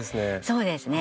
そうですね。